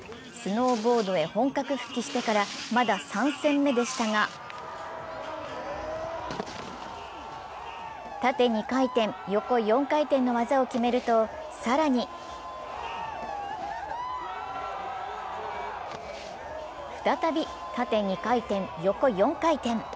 スノーボードへ本格復帰してからまだ３戦目でしたが縦２回転・横４回転の技を決めると、更に再び縦２回転・横４回転。